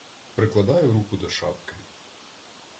Прикладаю руку до шапки: